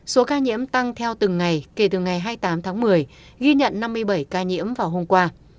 số ca nhiễm tăng theo từng ngày kể từ ngày hai mươi tám tháng một mươi ghi nhận năm mươi bảy ca nhiễm vào hôm qua